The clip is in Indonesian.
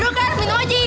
udah minum aja ini cepetan